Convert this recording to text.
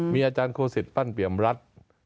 มีอาจารย์โคสิตปั้นเปี่ยมรัฐ